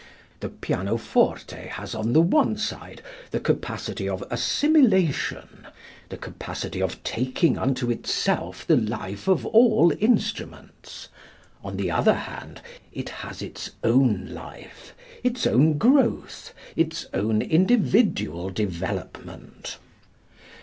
The pianoforte has on the one side the capacity of assimilation, the capacity of taking unto itself the life of all instruments; on the other hand it has its own life, its own growth, its own individual development.